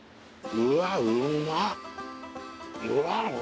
うわっうまっ！